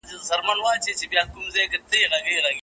هلته سرعت تیز وي.